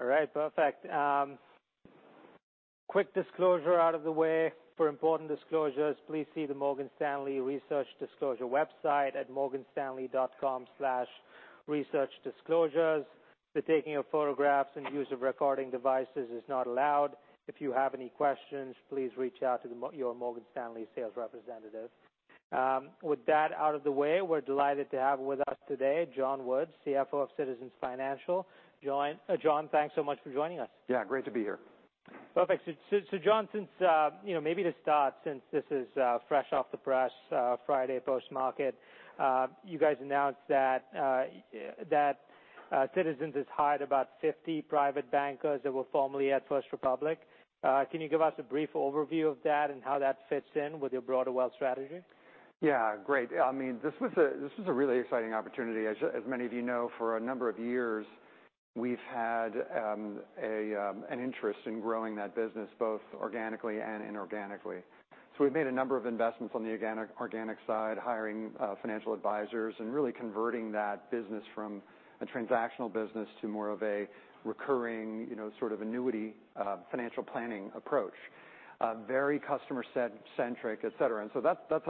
All right, perfect. Quick disclosure out of the way. For important disclosures, please see the Morgan Stanley Research Disclosure website at morganstanley.com/researchdisclosures. The taking of photographs and use of recording devices is not allowed. If you have any questions, please reach out to your Morgan Stanley sales representative. With that out of the way, we're delighted to have with us today John Woods, CFO of Citizens Financial. John, thanks so much for joining us. Yeah, great to be here. Perfect. John, since, you know, maybe to start, since this is fresh off the press, Friday post-market, you guys announced that Citizens has hired about 50 private bankers that were formerly at First Republic. Can you give us a brief overview of that and how that fits in with your broader wealth strategy? Yeah, great. I mean, this was a really exciting opportunity. As many of you know, for a number of years, we've had an interest in growing that business, both organically and inorganically. So we've made a number of investments on the organic side, hiring financial advisors, and really converting that business from a transactional business to more of a recurring, you know, sort of annuity, financial planning approach. Very customer-centric, et cetera. That's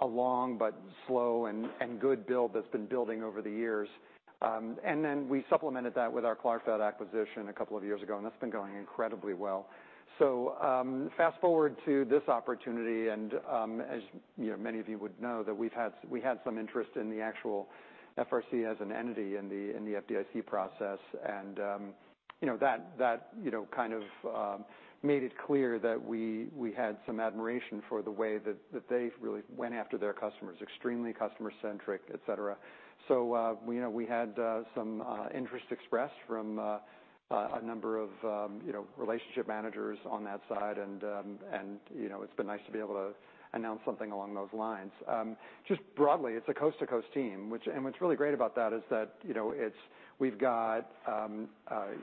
a long but slow and good build that's been building over the years. And then we supplemented that with our Clarfeld acquisition a couple of years ago, and that's been going incredibly well. Fast-forward to this opportunity, and, as, you know, many of you would know, that we had some interest in the actual FRC as an entity in the FDIC process. You know, that, you know, kind of, made it clear that we had some admiration for the way that they really went after their customers, extremely customer-centric, et cetera. You know, we had some interest expressed from a number of, you know, relationship managers on that side, and, you know, it's been nice to be able to announce something along those lines. Just broadly, it's a coast-to-coast team, and what's really great about that is that, you know, we've got,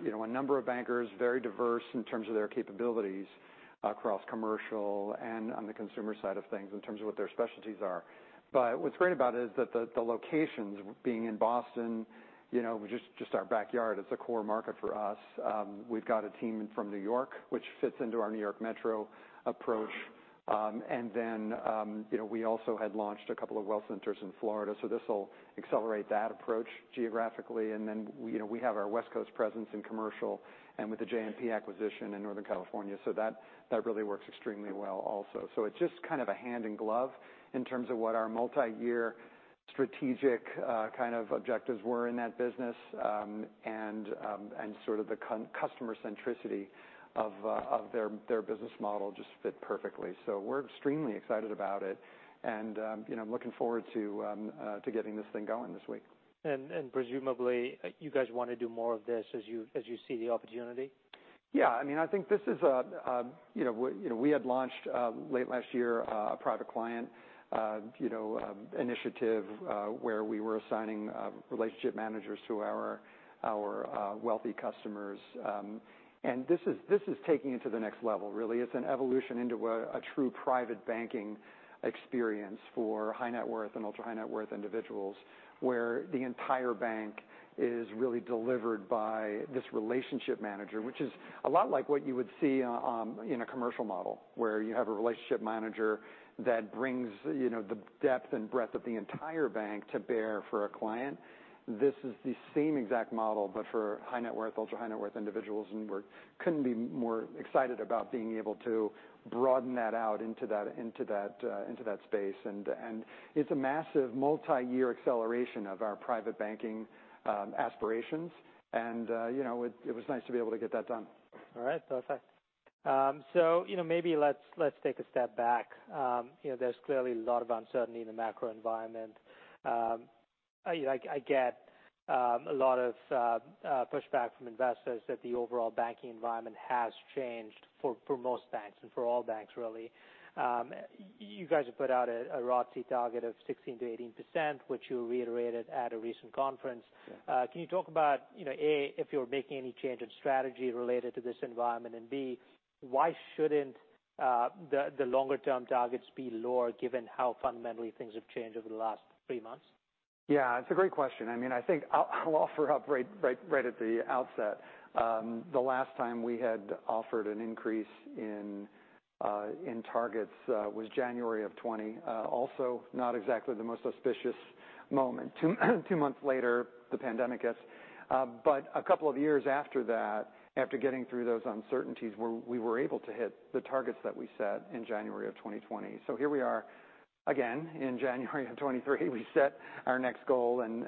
you know, a number of bankers, very diverse in terms of their capabilities across commercial and on the consumer side of things, in terms of what their specialties are. What's great about it is that the locations, being in Boston, you know, just our backyard, it's a core market for us. We've got a team in from New York, which fits into our New York Metro approach. You know, we also had launched a couple of wealth centers in Florida, so this will accelerate that approach geographically. You know, we have our West Coast presence in commercial, and with the JMP acquisition in Northern California, so that really works extremely well also. It's just kind of a hand in glove in terms of what our multiyear strategic kind of objectives were in that business. And sort of the customer centricity of their business model just fit perfectly. We're extremely excited about it, and, you know, looking forward to getting this thing going this week. Presumably, you guys want to do more of this as you see the opportunity? Yeah, I mean, I think this is a, you know, we had launched late last year, a private client, you know, initiative, where we were assigning relationship managers to our wealthy customers. This is taking it to the next level, really. It's an evolution into a true private banking experience for high net worth and ultra-high net worth individuals, where the entire bank is really delivered by this relationship manager, which is a lot like what you would see in a commercial model, where you have a relationship manager that brings, you know, the depth and breadth of the entire bank to bear for a client. This is the same exact model, but for high net worth, ultra-high net worth individuals, couldn't be more excited about being able to broaden that out into that, into that space. It's a massive multiyear acceleration of our private banking aspirations. You know, it was nice to be able to get that done. All right, perfect. You know, maybe let's take a step back. You know, there's clearly a lot of uncertainty in the macro environment. I get a lot of pushback from investors that the overall banking environment has changed for most banks, and for all banks, really. You guys have put out a ROTCE target of 16%-18%, which you reiterated at a recent conference. Yeah. Can you talk about, you know, A, if you're making any change in strategy related to this environment? And B, why shouldn't the longer term targets be lower, given how fundamentally things have changed over the last three months? Yeah, it's a great question. I mean, I think I'll offer up right at the outset. The last time we had offered an increase in targets was January of 2020. Also not exactly the most auspicious moment. Two months later, the pandemic hits. A couple of years after that, after getting through those uncertainties, we were able to hit the targets that we set in January of 2020. Here we are again, in January of 2023, we set our next goal, and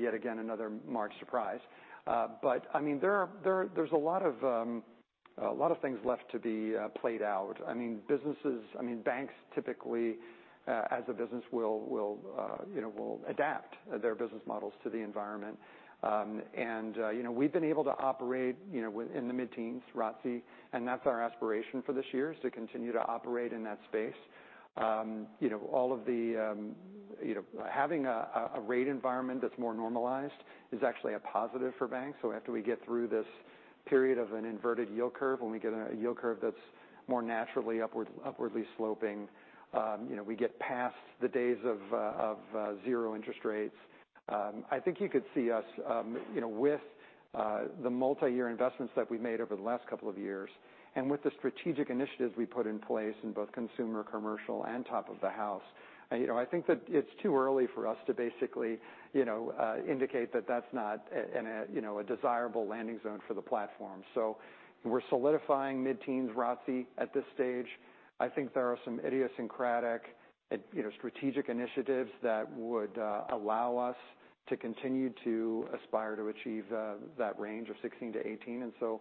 yet again, another March surprise. I mean, there's a lot of things left to be played out. I mean, banks typically, as a business will, you know, will adapt their business models to the environment. You know, we've been able to operate, you know, within the mid-teens ROTCE, and that's our aspiration for this year, is to continue to operate in that space. You know, all of the, you know, having a rate environment that's more normalized is actually a positive for banks. After we get through this period of an inverted yield curve, when we get a yield curve that's more naturally upward, upwardly sloping, you know, we get past the days of zero interest rates. I think you could see us, you know, with the multi-year investments that we've made over the last couple of years, and with the strategic initiatives we put in place in both consumer, commercial, and top of the house. You know, I think that it's too early for us to basically, you know, indicate that that's not an, you know, a desirable landing zone for the platform. We're solidifying mid-teens ROTCE at this stage. I think there are some idiosyncratic and, you know, strategic initiatives that would allow us to continue to aspire to achieve that range of 16%-18%, and so,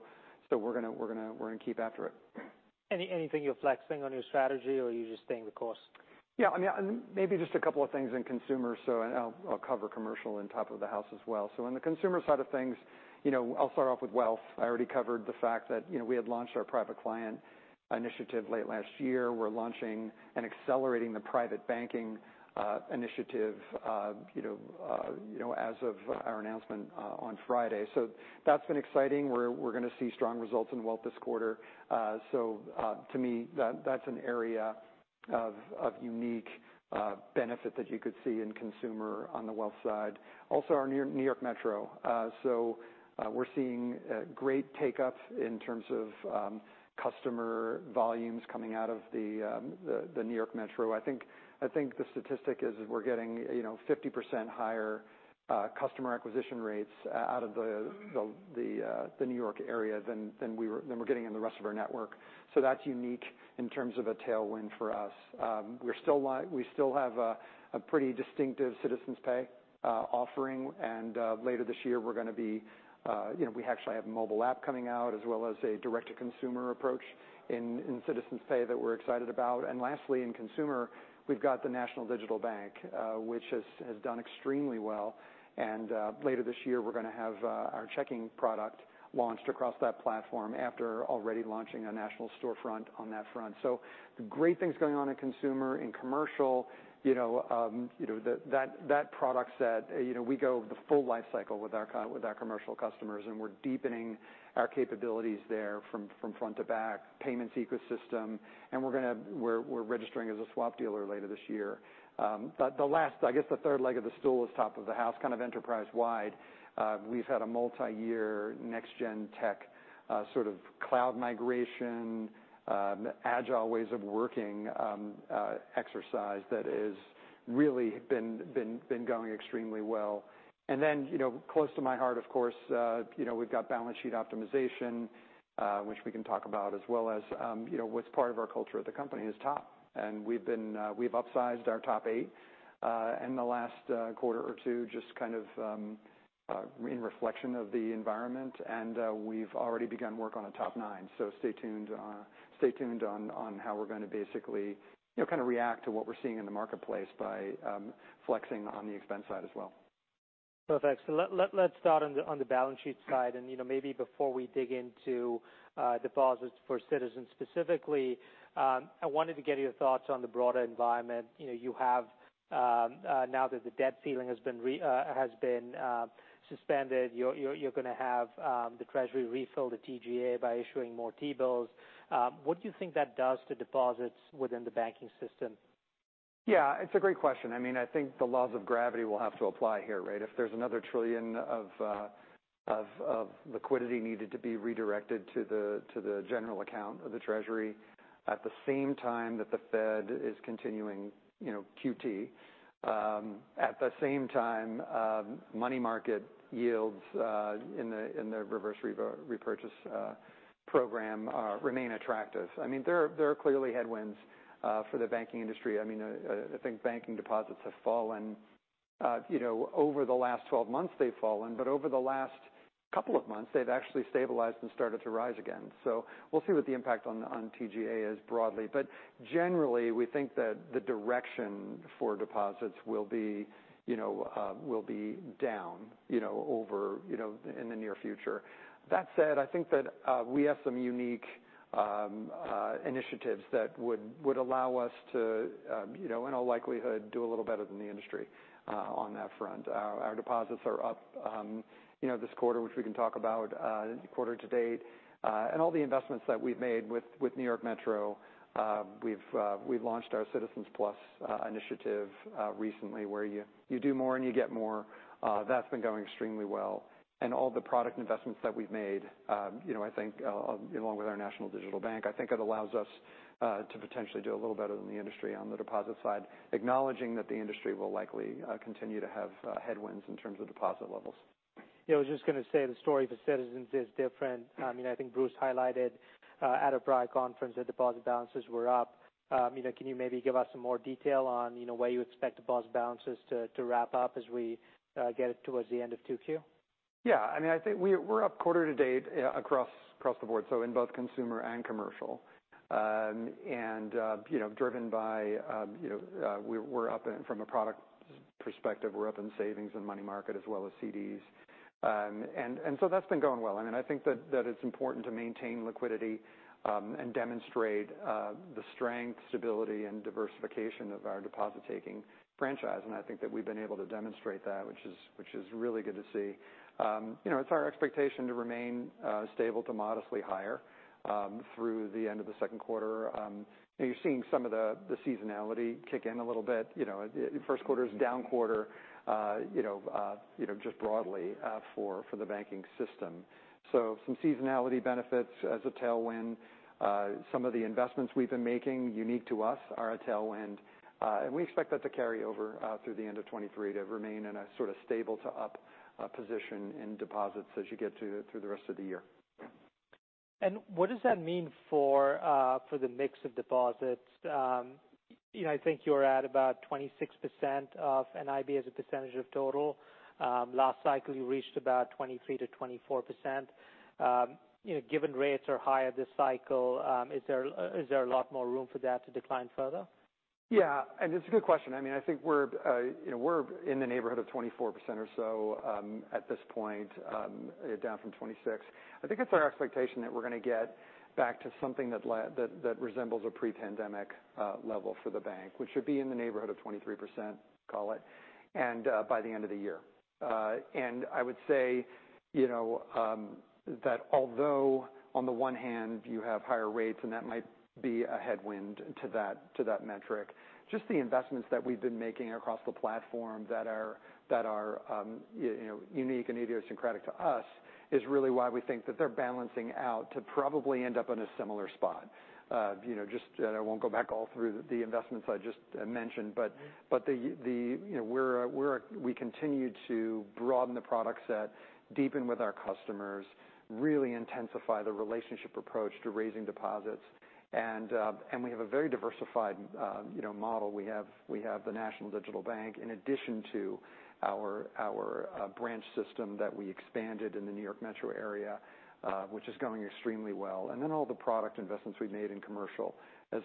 we're gonna keep after it. Anything you're flexing on your strategy, or are you just staying the course? I mean, maybe just a couple of things in consumer, I'll cover commercial and top of the house as well. On the consumer side of things, you know, I'll start off with wealth. I already covered the fact that, you know, we had launched our private client initiative late last year. We're launching and accelerating the private banking initiative, you know, as of our announcement on Friday. That's been exciting. We're going to see strong results in wealth this quarter. To me, that's an area of unique benefit that you could see in consumer on the wealth side. Also, our New York Metro. We're seeing great take up in terms of customer volumes coming out of the New York Metro. I think the statistic is we're getting, you know, 50% higher customer acquisition rates out of the New York area than we're getting in the rest of our network. That's unique in terms of a tailwind for us. We still have a pretty distinctive Citizens Pay offering, and later this year, we're gonna be... You know, we actually have a mobile app coming out, as well as a direct-to-consumer approach in Citizens Pay that we're excited about. Lastly, in consumer, we've got the national digital bank, which has done extremely well, and later this year, we're gonna have our checking product launched across that platform after already launching a national storefront on that front. Great things going on in consumer. In commercial, you know, you know, that product set, you know, we go the full life cycle with our commercial customers, and we're deepening our capabilities there from front to back, payments ecosystem, and we're registering as a swap dealer later this year. The last, I guess, the third leg of the stool is top of the house, kind of enterprise-wide. We've had a multiyear next gen tech, sort of cloud migration, agile ways of working, exercise that has really been going extremely well. Then, you know, close to my heart, of course, you know, we've got balance sheet optimization, which we can talk about, as well as, you know, what's part of our culture at the company is TOP. We've been, we've upsized our TOP 8 in the last quarter or two, just kind of in reflection of the environment, we've already begun work on a TOP 9. Stay tuned, stay tuned on how we're gonna basically, you know, kind of react to what we're seeing in the marketplace by flexing on the expense side as well. Perfect. Let's start on the, on the balance sheet side, and, you know, maybe before we dig into deposits for Citizens specifically, I wanted to get your thoughts on the broader environment. You know, you have now that the debt ceiling has been suspended, you're gonna have the treasury refill the TGA by issuing more T-bills. What do you think that does to deposits within the banking system? Yeah, it's a great question. I mean, I think the laws of gravity will have to apply here, right? If there's another $1 trillion of liquidity needed to be redirected to the general account of the treasury at the same time that the Fed is continuing, you know, QT, at the same time, money market yields, in the reverse repurchase program, remain attractive. I mean, there are clearly headwinds for the banking industry. I mean, I think banking deposits have fallen. You know, over the last 12 months, they've fallen, but over the last couple of months, they've actually stabilized and started to rise again. We'll see what the impact on TGA is broadly. Generally, we think that the direction for deposits will be, you know, will be down, you know, over, you know, in the near future. That said, I think that we have some unique initiatives that would allow us to, you know, in all likelihood, do a little better than the industry on that front. Our deposits are up, you know, this quarter, which we can talk about, quarter to date, and all the investments that we've made with New York Metro. We've launched our CitizensPlus initiative recently, where you do more and you get more. That's been going extremely well. All the product investments that we've made, you know, I think, along with our national digital bank, I think it allows us to potentially do a little better than the industry on the deposit side, acknowledging that the industry will likely continue to have headwinds in terms of deposit levels. Yeah, I was just gonna say the story for Citizens is different. I mean, I think Bruce highlighted at a prior conference that deposit balances were up. You know, can you maybe give us some more detail on, you know, where you expect deposit balances to wrap up as we get towards the end of 2Q? I mean, I think we're up quarter to date, across the board, so in both consumer and commercial. You know, driven by, you know, we're up in, from a product perspective, we're up in savings and money market as well as CDs. So that's been going well. I mean, I think that it's important to maintain liquidity and demonstrate the strength, stability, and diversification of our deposit-taking franchise. I think that we've been able to demonstrate that, which is really good to see. You know, it's our expectation to remain stable to modestly higher through the end of the second quarter. You're seeing some of the seasonality kick in a little bit. You know, the first quarter is a down quarter, you know, you know, just broadly, for the banking system. Some seasonality benefits as a tailwind. Some of the investments we've been making unique to us are a tailwind, and we expect that to carry over through the end of 2023, to remain in a sort of stable to up position in deposits as you get through the rest of the year. What does that mean for the mix of deposits? You know, I think you're at about 26% of NIB as a percentage of total. Last cycle, you reached about 23%-24%. You know, given rates are higher this cycle, is there a lot more room for that to decline further? Yeah, it's a good question. I mean, I think we're, you know, we're in the neighborhood of 24% or so, at this point, down from 26%. I think it's our expectation that we're going to get back to something that resembles a pre-pandemic level for the bank, which should be in the neighborhood of 23%, call it, and by the end of the year. I would say, you know, that although on the one hand you have higher rates, and that might be a headwind to that, to that metric, just the investments that we've been making across the platform that are, you know, unique and idiosyncratic to us, is really why we think that they're balancing out to probably end up in a similar spot. You know, just, I won't go back all through the investments I just mentioned, but the, you know, we continue to broaden the product set, deepen with our customers, really intensify the relationship approach to raising deposits. We have a very diversified, you know, model. We have the national digital bank, in addition to our branch system that we expanded in the New York metro area, which is going extremely well. All the product investments we've made in commercial as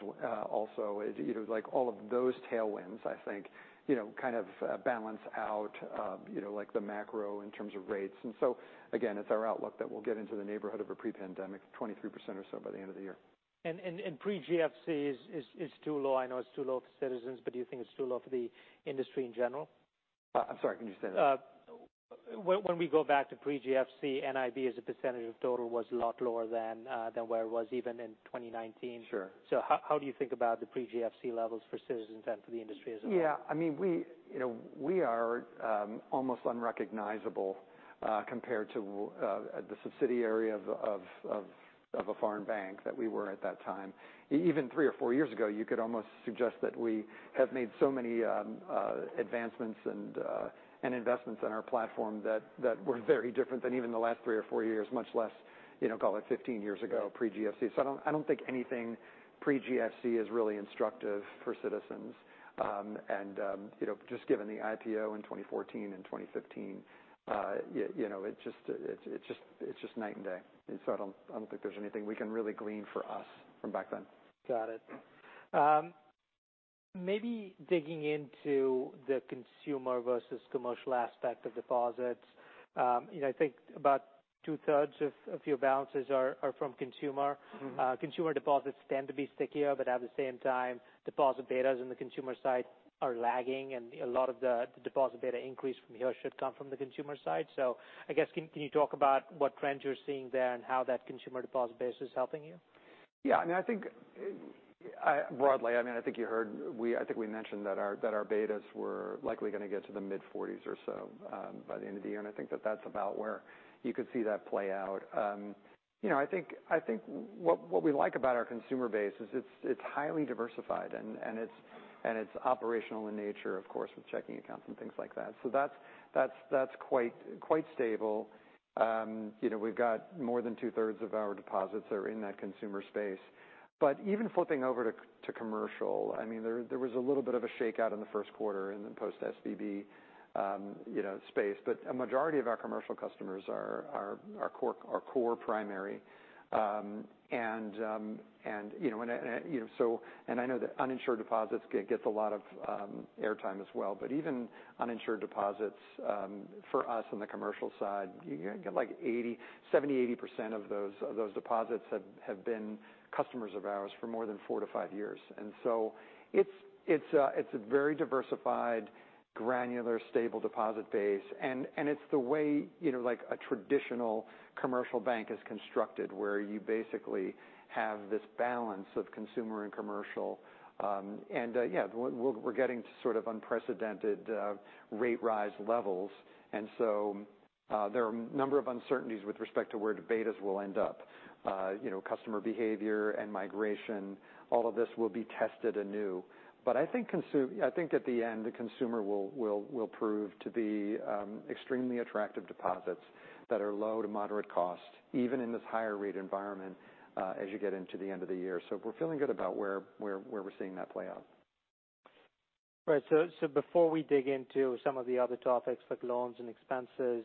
also, you know, like, all of those tailwinds, I think, you know, kind of, balance out, you know, like the macro in terms of rates. Again, it's our outlook that we'll get into the neighborhood of a pre-pandemic 23% or so by the end of the year. Pre-GFC is too low. I know it's too low for Citizens, but do you think it's too low for the industry in general? I'm sorry, can you say that again? When we go back to pre-GFC, NIB, as a percentage of total, was a lot lower than where it was even in 2019. Sure. How do you think about the pre-GFC levels for Citizens and for the industry as a whole? Yeah, I mean, we, you know, we are, almost unrecognizable, compared to the subsidiary of a foreign bank that we were at that time. Even three or four years ago, you could almost suggest that we have made so many, advancements and investments in our platform, that we're very different than even the last three or four years, much less, you know, call it 15 years ago, pre-GFC. I don't think anything pre-GFC is really instructive for Citizens. And, you know, just given the IPO in 2014 and 2015, you know, it just, it's just night and day. I don't think there's anything we can really glean for us from back then. Got it. maybe digging into the consumer versus commercial aspect of deposits. you know, I think about two-thirds of your balances are from consumer. Mm-hmm. Consumer deposits tend to be stickier, but at the same time, deposit betas in the consumer side are lagging, and a lot of the deposit beta increase from here should come from the consumer side. I guess, can you talk about what trends you're seeing there and how that consumer deposit base is helping you? I mean, I think broadly, I mean, I think you heard, I think we mentioned that our, that our betas were likely going to get to the mid-40s or so by the end of the year. I think that that's about where you could see that play out. You know, I think, I think what we like about our consumer base is it's highly diversified, and it's operational in nature, of course, with checking accounts and things like that. That's quite stable. You know, we've got more than 2/3 of our deposits are in that consumer space. Even flipping over to commercial, I mean, there was a little bit of a shakeout in the first quarter in the post-SVB, you know, space, but a majority of our commercial customers are our core primary. And I know that uninsured deposits gets a lot of airtime as well, but even uninsured deposits for us on the commercial side, you get, like, 70%-80% of those deposits have been customers of ours for more than 4-5 years. It's a very diversified, granular, stable deposit base. It's the way, you know, like a traditional commercial bank is constructed, where you basically have this balance of consumer and commercial. Yeah, we're getting to sort of unprecedented rate rise levels. There are a number of uncertainties with respect to where the betas will end up. You know, customer behavior and migration, all of this will be tested anew. I think at the end, the consumer will prove to be extremely attractive deposits that are low to moderate cost, even in this higher rate environment, as you get into the end of the year. We're feeling good about where we're seeing that play out. Right. Before we dig into some of the other topics, like loans and expenses,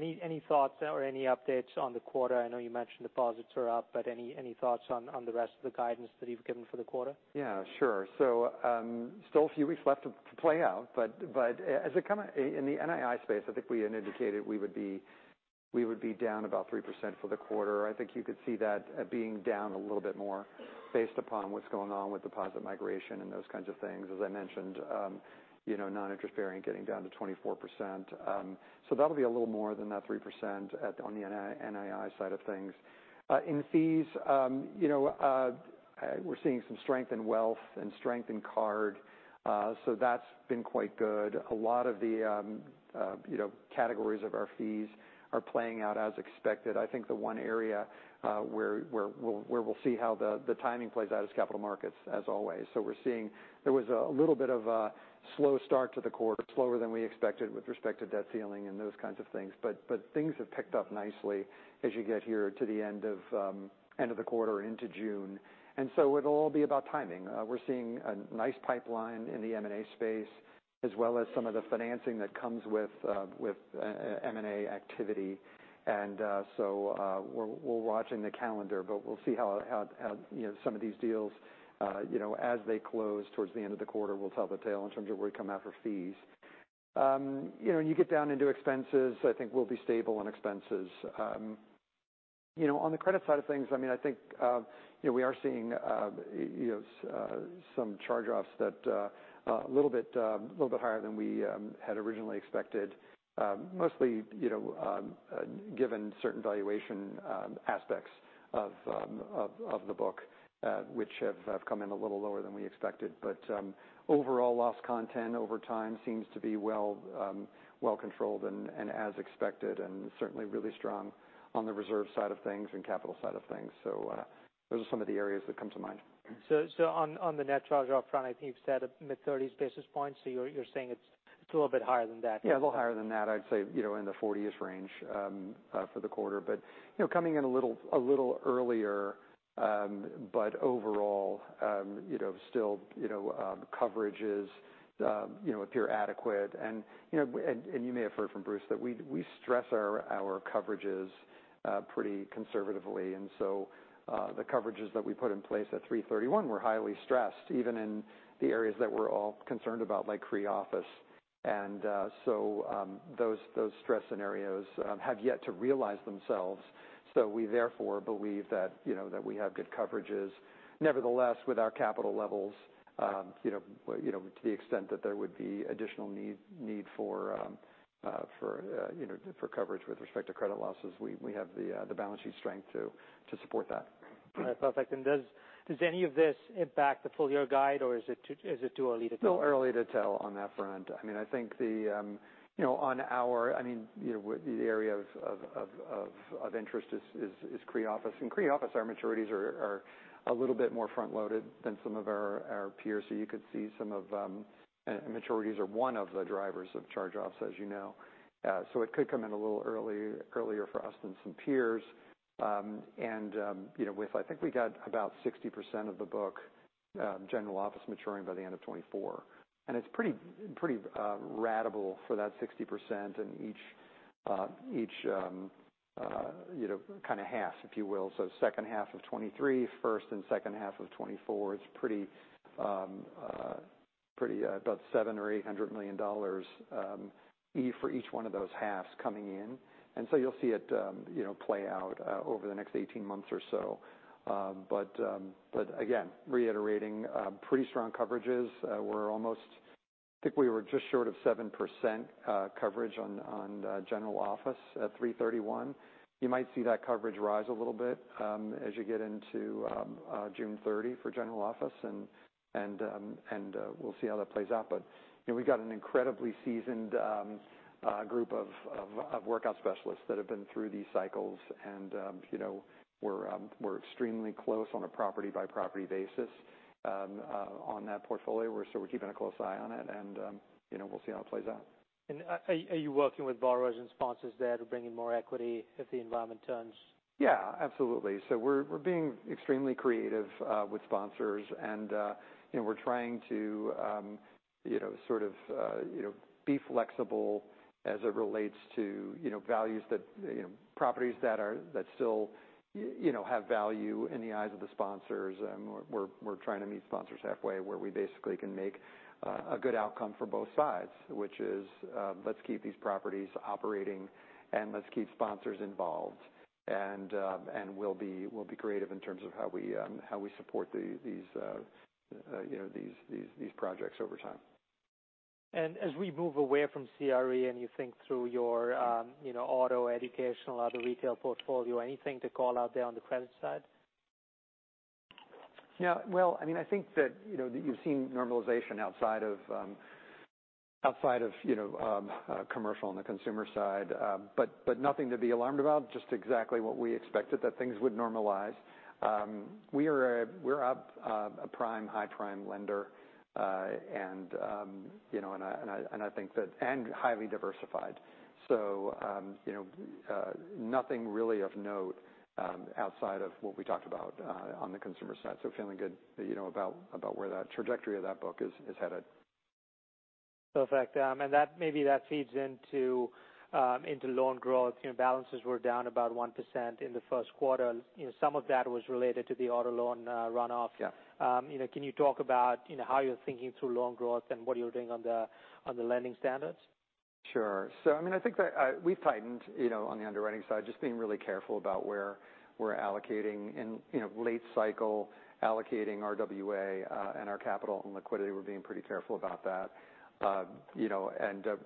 any thoughts or any updates on the quarter? I know you mentioned deposits are up, but any thoughts on the rest of the guidance that you've given for the quarter? Yeah, sure. Still a few weeks left to play out, but as it come out in the NII space, I think we had indicated we would be down about 3% for the quarter. I think you could see that being down a little bit more based upon what's going on with deposit migration and those kinds of things. As I mentioned, you know, non-interest bearing getting down to 24%. That'll be a little more than that 3% at, on the NII side of things. In fees, you know, we're seeing some strength in wealth and strength in card, so that's been quite good. A lot of the, you know, categories of our fees are playing out as expected. I think the one area where we'll see how the timing plays out is capital markets, as always. We're seeing there was a little bit of a slow start to the quarter, slower than we expected with respect to debt ceiling and those kinds of things, but things have picked up nicely as you get here to the end of the quarter into June. It'll all be about timing. We're seeing a nice pipeline in the M&A space, as well as some of the financing that comes with M&A activity. We're watching the calendar, but we'll see how, you know, some of these deals, you know, as they close towards the end of the quarter, will tell the tale in terms of where we come out for fees. You know, when you get down into expenses, I think we'll be stable on expenses. You know, on the credit side of things, I mean, I think, you know, we are seeing, you know, some charge-offs that a little bit higher than we had originally expected. Mostly, you know, given certain valuation aspects of the book, which have come in a little lower than we expected. Overall, loss content over time seems to be well controlled and as expected, and certainly really strong on the reserve side of things and capital side of things. Those are some of the areas that come to mind. On the net charge-off front, I think you've said mid-thirties basis points, so you're saying it's a little bit higher than that? Yeah, a little higher than that. I'd say, you know, in the 40s range for the quarter. You know, coming in a little earlier, overall, you know, still, you know, coverage is appear adequate. You know, and you may have heard from Bruce, that we stress our coverages pretty conservatively. The coverages that we put in place at 3/31 were highly stressed, even in the areas that we're all concerned about, like CRE office. Those stress scenarios have yet to realize themselves, we therefore believe that, you know, that we have good coverages. Nevertheless, with our capital levels, you know, to the extent that there would be additional need for, you know, for coverage with respect to credit losses, we have the balance sheet strength to support that. All right, perfect. Does any of this impact the full year guide, or is it too early to tell? Too early to tell on that front. I mean, I think the, you know, I mean, you know, the area of interest is CRE office. In CRE office, our maturities are a little bit more front loaded than some of our peers. You could see some of. Maturities are one of the drivers of charge-offs, as you know. It could come in a little earlier for us than some peers. You know, with I think we got about 60% of the book, general office maturing by the end of 2024. It's pretty ratable for that 60% and each, you know, kind of half, if you will. Second half of 2023, first and second half of 2024, it's pretty about $700 million-$800 million fee for each one of those halves coming in. You'll see it, you know, play out over the next 18 months or so. But again, reiterating, pretty strong coverages. We're almost, I think we were just short of 7% coverage on general office at 3/31. You might see that coverage rise a little bit as you get into June 30 for general office, and we'll see how that plays out. You know, we've got an incredibly seasoned group of workout specialists that have been through these cycles and, you know, we're extremely close on a property-by-property basis on that portfolio. We're keeping a close eye on it, and, you know, we'll see how it plays out. Are you working with borrowers and sponsors there to bring in more equity if the environment turns? Yeah, absolutely. We're being extremely creative with sponsors and, you know, we're trying to, you know, sort of, you know, be flexible as it relates to, you know, values that, you know, properties that are, that still, you know, have value in the eyes of the sponsors. We're trying to meet sponsors halfway, where we basically can make a good outcome for both sides, which is, let's keep these properties operating and let's keep sponsors involved. We'll be creative in terms of how we support the, these, you know, projects over time. As we move away from CRE, and you think through your, you know, auto, educational, other retail portfolio, anything to call out there on the credit side? Well, I mean, I think that, you know, you've seen normalization outside of, outside of, you know, commercial on the consumer side, but nothing to be alarmed about, just exactly what we expected, that things would normalize. We're a prime, high prime lender, and, you know, and I think that. Highly diversified. You know, nothing really of note, outside of what we talked about, on the consumer side. Feeling good, you know, about where that trajectory of that book is headed. Perfect. That, maybe that feeds into loan growth. You know, balances were down about 1% in the first quarter. You know, some of that was related to the auto loan runoff. Yeah. You know, can you talk about, you know, how you're thinking through loan growth and what you're doing on the, on the lending standards? Sure. I mean, I think that, we've tightened, you know, on the underwriting side, just being really careful about where we're allocating. In, you know, late cycle allocating our RWA, and our capital and liquidity, we're being pretty careful about that. You know,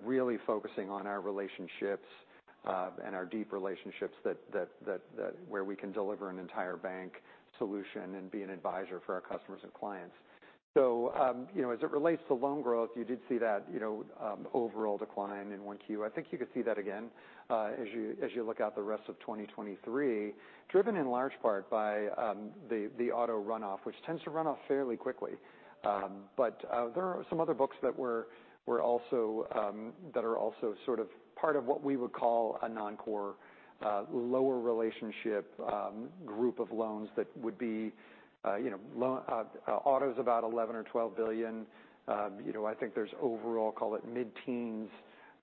really focusing on our relationships, and our deep relationships that where we can deliver an entire bank solution and be an advisor for our customers and clients. You know, as it relates to loan growth, you did see that, you know, overall decline in 1Q. I think you could see that again, as you, as you look out the rest of 2023, driven in large part by, the auto runoff, which tends to run off fairly quickly. There are some other books that we're also that are also sort of part of what we would call a non-core, lower relationship group of loans that would be, you know, autos about $11 billion-$12 billion. You know, I think there's overall, call it mid-teens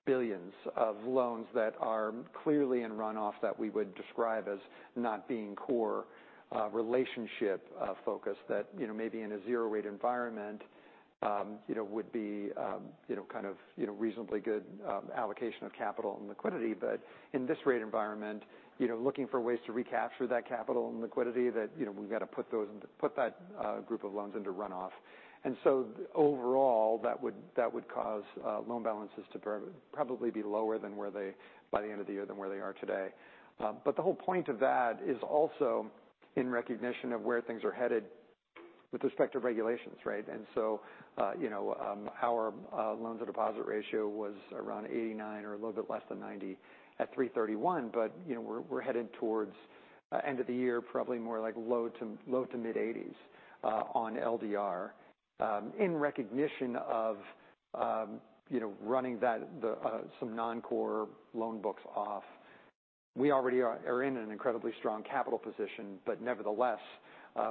billions of loans that are clearly in runoff that we would describe as not being core, relationship focus. That, you know, maybe in a zero-rate environment, you know, would be, kind of reasonably good allocation of capital and liquidity. In this rate environment, you know, looking for ways to recapture that capital and liquidity that, you know, we've got to put that group of loans into runoff. Overall, that would cause loan balances to probably be lower than where they, by the end of the year, than where they are today. The whole point of that is also in recognition of where things are headed with respect to regulations, right? You know, our loans and deposit ratio was around 89 or a little bit less than 90 at 3/31, but, you know, we're headed towards end of the year, probably more like low to mid-80s on LDR. In recognition of, you know, running some non-core loan books off, we already are in an incredibly strong capital position, but nevertheless,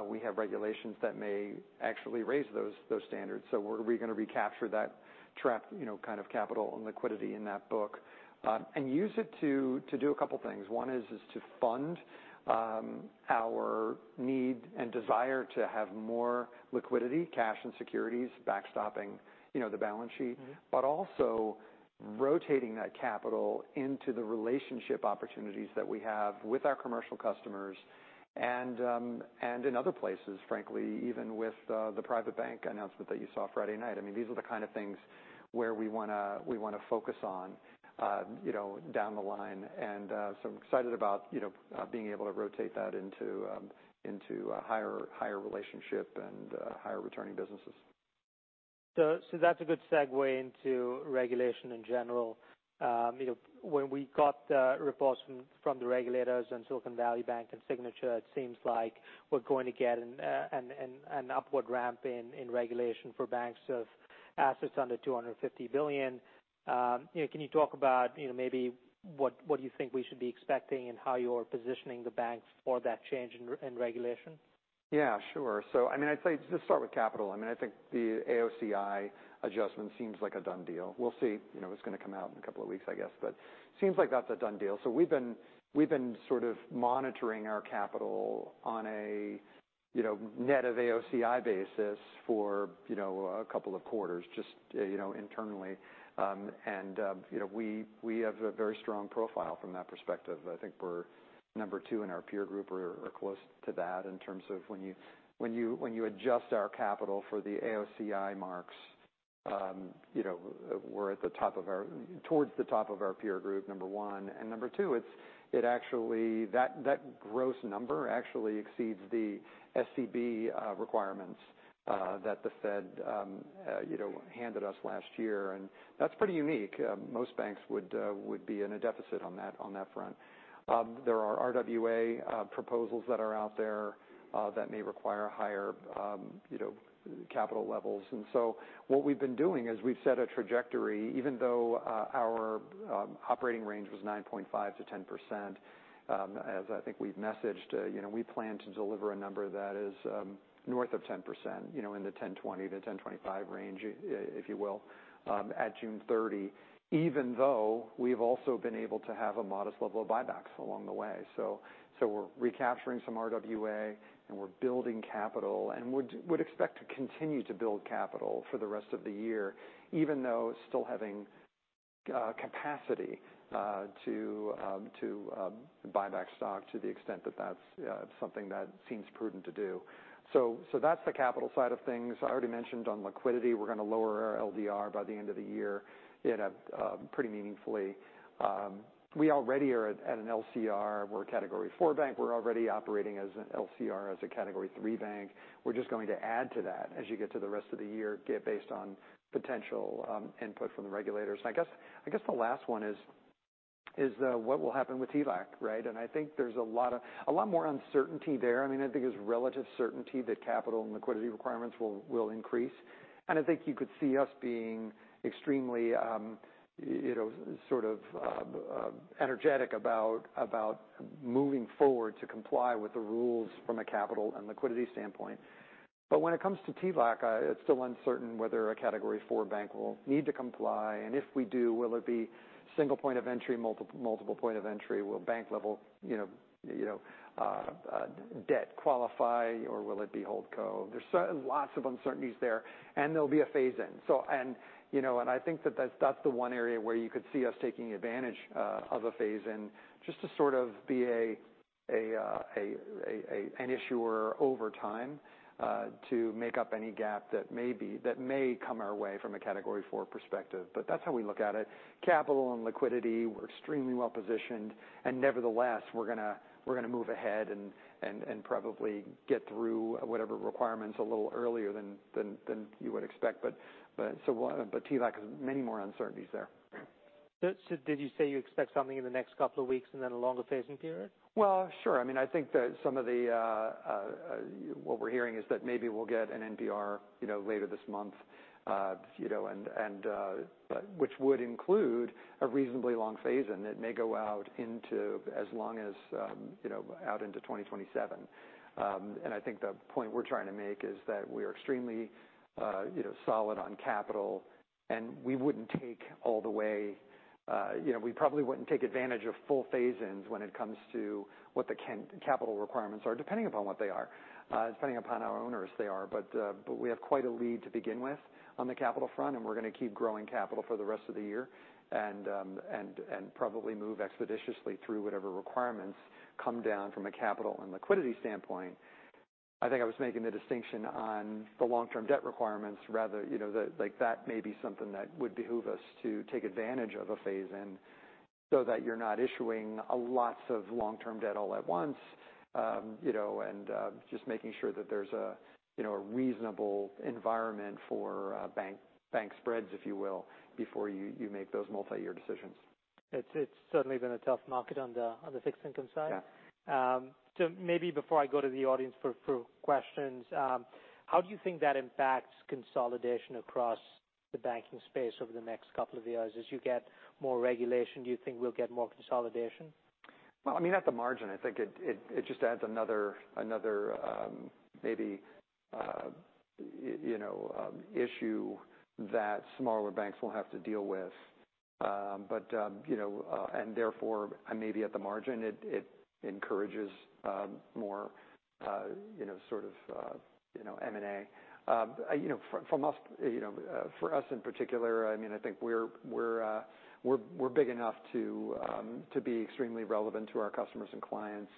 we have regulations that may actually raise those standards. We're gonna recapture that trapped, you know, kind of capital and liquidity in that book, and use it to do a couple things. One is to fund our need and desire to have more liquidity, cash, and securities backstopping, you know, the balance sheet. Also rotating that capital into the relationship opportunities that we have with our commercial customers and in other places, frankly, even with the private bank announcement that you saw Friday night. I mean, these are the kind of things where we wanna focus on, you know, down the line. I'm excited about, you know, being able to rotate that into higher relationship and higher returning businesses. That's a good segue into regulation in general. you know, when we got the reports from the regulators on Silicon Valley Bank and Signature, it seems like we're going to get an upward ramp in regulation for banks of assets under $250 billion. you know, can you talk about, you know, maybe what you think we should be expecting and how you're positioning the banks for that change in regulation? Sure. I mean, I'd say just start with capital. I mean, I think the AOCI adjustment seems like a done deal. We'll see, you know, it's gonna come out in a couple of weeks, I guess, but seems like that's a done deal. We've been sort of monitoring our capital on a, you know, net of AOCI basis for, you know, a couple of quarters, just, you know, internally. You know, we have a very strong profile from that perspective. I think we're number two in our peer group, or close to that in terms of when you adjust our capital for the AOCI marks, you know, we're towards the top of our peer group, number one. Number two, it actually... That gross number actually exceeds the SCB requirements that the Fed, you know, handed us last year, and that's pretty unique. Most banks would be in a deficit on that front. There are RWA proposals that are out there that may require higher, you know, capital levels. What we've been doing is we've set a trajectory, even though our operating range was 9.5%-10%, as I think we've messaged, you know, we plan to deliver a number that is north of 10%, you know, in the 10.20%-10.25% range, if you will, at June 30. We've also been able to have a modest level of buybacks along the way. We're recapturing some RWA, and we're building capital, and would expect to continue to build capital for the rest of the year, even though still having capacity to buy back stock to the extent that that's something that seems prudent to do. That's the capital side of things. I already mentioned on liquidity, we're gonna lower our LDR by the end of the year in a pretty meaningfully. We already are at an LCR. We're a Category IV bank. We're already operating as an LCR, as a Category III bank. We're just going to add to that as you get to the rest of the year, get based on potential input from the regulators. I guess the last one is what will happen with TLAC, right? I think there's a lot more uncertainty there. I mean, I think there's relative certainty that capital and liquidity requirements will increase. I think you could see us being extremely, you know, sort of, energetic about moving forward to comply with the rules from a capital and liquidity standpoint. When it comes to TLAC, it's still uncertain whether a Category IV bank will need to comply, and if we do, will it be single point of entry, multiple point of entry? Will bank level debt qualify, or will it be holdco? There's lots of uncertainties there. There'll be a phase-in. You know, I think that's, that's the one area where you could see us taking advantage of a phase-in, just to sort of be an issuer over time, to make up any gap that may come our way from a Category IV perspective. That's how we look at it. Capital and liquidity, we're extremely well-positioned, nevertheless, we're gonna move ahead and probably get through whatever requirements a little earlier than you would expect. TLAC has many more uncertainties there. Did you say you expect something in the next couple of weeks and then a longer phasing period? Well, sure. I mean, I think that some of what we're hearing is that maybe we'll get an NPR, you know, later this month. You know, which would include a reasonably long phase-in. It may go out into as long as, you know, out into 2027. I think the point we're trying to make is that we're extremely, you know, solid on capital, and we wouldn't take advantage of full phase-ins when it comes to what the capital requirements are, depending upon what they are, depending upon our owners, they are. We have quite a lead to begin with on the capital front, and we're gonna keep growing capital for the rest of the year, and probably move expeditiously through whatever requirements come down from a capital and liquidity standpoint. I think I was making the distinction on the long-term debt requirements rather, you know, like, that may be something that would behoove us to take advantage of a phase-in, so that you're not issuing a lots of long-term debt all at once. you know, and just making sure that there's a, you know, a reasonable environment for bank spreads, if you will, before you make those multiyear decisions. It's certainly been a tough market on the fixed income side. Yeah. Maybe before I go to the audience for questions, how do you think that impacts consolidation across the banking space over the next couple of years? As you get more regulation, do you think we'll get more consolidation? I mean, at the margin, I think it just adds another, maybe, you know, issue that smaller banks will have to deal with. You know, Therefore, and maybe at the margin, it encourages, more, you know, sort of, you know, M&A. You know, from us, you know, for us in particular, I mean, I think we're big enough to be extremely relevant to our customers and clients.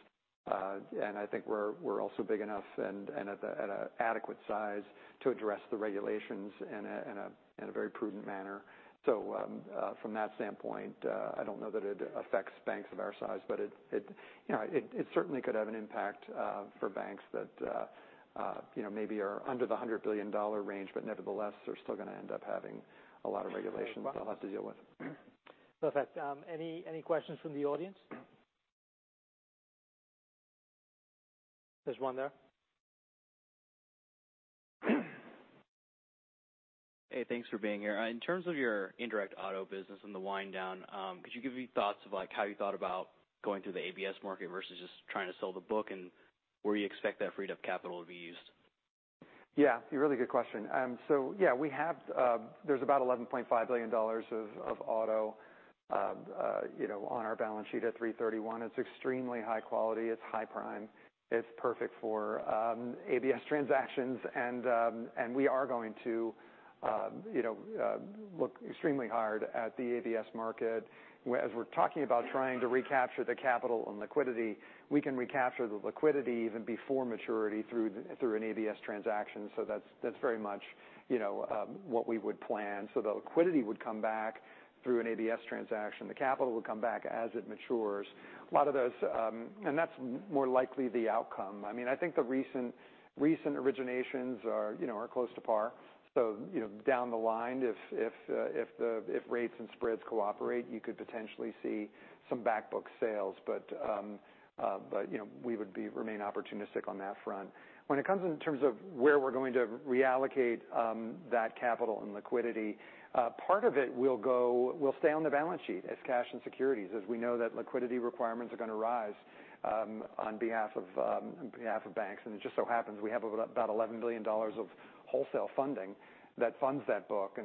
I think we're also big enough and at a adequate size to address the regulations in a very prudent manner. From that standpoint, I don't know that it affects banks of our size, but it, you know, it certainly could have an impact for banks that, you know, maybe are under the $100 billion range, but nevertheless, they're still gonna end up having a lot of regulations they'll have to deal with. Perfect. Any, any questions from the audience? There's one there. Hey, thanks for being here. In terms of your indirect auto business and the wind down, could you give any thoughts of, like, how you thought about going through the ABS market versus just trying to sell the book, and where you expect that freed-up capital to be used? Yeah, a really good question. Yeah, we have, there's about $11.5 billion of auto, you know, on our balance sheet at 3/31. It's extremely high quality. It's high prime. It's perfect for ABS transactions, we are going to, you know, look extremely hard at the ABS market. As we're talking about trying to recapture the capital and liquidity, we can recapture the liquidity even before maturity through an ABS transaction, so that's very much, you know, what we would plan. The liquidity would come back through an ABS transaction. The capital would come back as it matures. A lot of those. That's more likely the outcome. I mean, I think the recent originations are, you know, are close to par. You know, down the line, if, if the, if rates and spreads cooperate, you could potentially see some back book sales. You know, we would remain opportunistic on that front. When it comes in terms of where we're going to reallocate, that capital and liquidity, part of it will stay on the balance sheet as cash and securities, as we know that liquidity requirements are gonna rise, on behalf of, on behalf of banks. It just so happens, we have about $11 billion of wholesale funding that funds that book.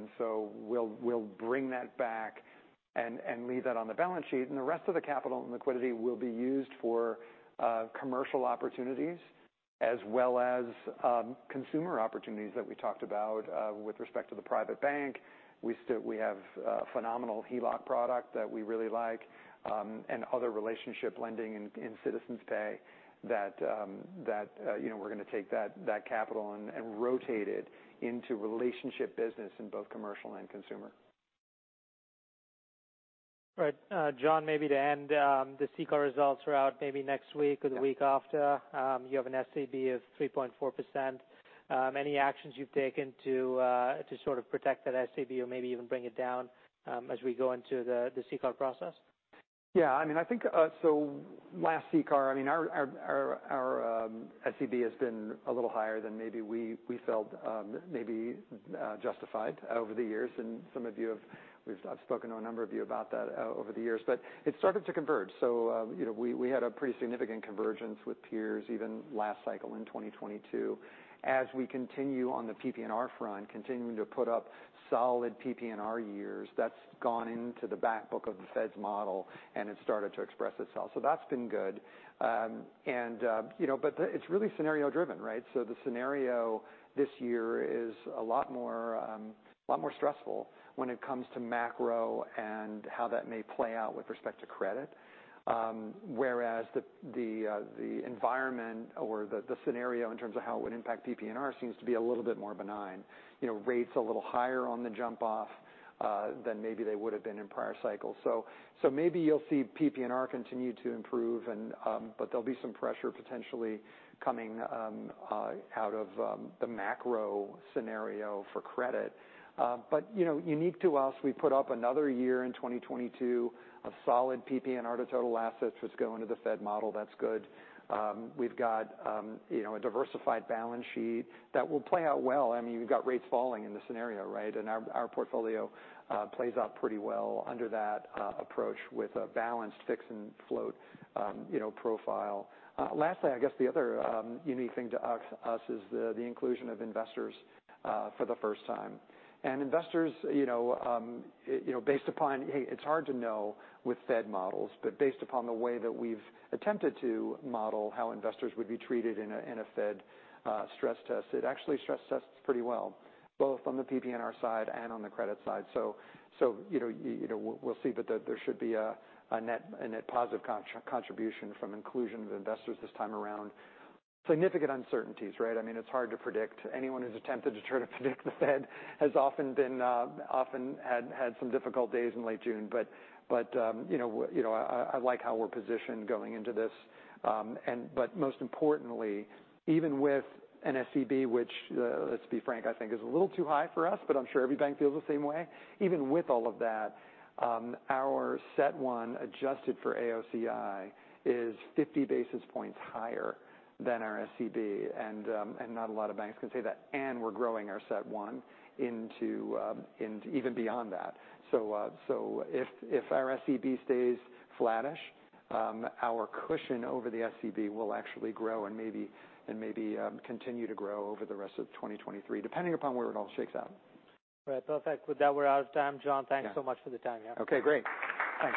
we'll bring that back and leave that on the balance sheet, and the rest of the capital and liquidity will be used for commercial opportunities as well as consumer opportunities that we talked about with respect to the private bank. We have a phenomenal HELOC product that we really like, and other relationship lending in Citizens Pay that, you know, we're gonna take that capital and rotate it into relationship business in both commercial and consumer. Right. John, maybe to end, the CCAR results are out maybe next week or the week after. Yeah. You have an SCB of 3.4%. Any actions you've taken to sort of protect that SCB or maybe even bring it down, as we go into the CCAR process? Yeah, I mean, I think, so last CCAR, SCB has been a little higher than maybe we felt, maybe justified over the years. Some of you I've spoken to a number of you about that over the years, but it started to converge. You know, we had a pretty significant convergence with peers, even last cycle in 2022. As we continue on the PPNR front, continuing to put up solid PPNR years, that's gone into the back book of the Fed's model, and it's started to express itself. That's been good. You know, but it's really scenario-driven, right? The scenario this year is a lot more, a lot more stressful when it comes to macro and how that may play out with respect to credit. Whereas the environment or the scenario in terms of how it would impact PPNR seems to be a little bit more benign. You know, rates a little higher on the jump off than maybe they would have been in prior cycles. Maybe you'll see PPNR continue to improve, but there'll be some pressure potentially coming out of the macro scenario for credit. You know, unique to us, we put up another year in 2022, a solid PPNR to total assets, which go into the Fed model. That's good. We've got, you know, a diversified balance sheet that will play out well. I mean, we've got rates falling in this scenario, right? Our portfolio plays out pretty well under that approach with a balanced fix and float, you know, profile. Lastly, I guess the other unique thing to us is the inclusion of Investors for the first time. Investors, you know, you know, based upon it's hard to know with Fed models, but based upon the way that we've attempted to model how Investors would be treated in a Fed stress test, it actually stress tests pretty well, both on the PPNR side and on the credit side. You know, you know, we'll see, but there should be a net positive contribution from inclusion of Investors this time around. Significant uncertainties, right? I mean, it's hard to predict. Anyone who's attempted to try to predict the Fed has often had some difficult days in late June. you know, you know, I like how we're positioned going into this. Most importantly, even with an SCB, which, let's be frank, I think is a little too high for us, but I'm sure every bank feels the same way. Even with all of that, our CET1 adjusted for AOCI is 50 basis points higher than our SCB, not a lot of banks can say that. We're growing our CET1 into even beyond that. If our SCB stays flattish, our cushion over the SCB will actually grow and maybe continue to grow over the rest of 2023, depending upon where it all shakes out. Right. Perfect. With that, we're out of time. John, thanks so much for the time. Yeah. Okay, great. Thanks.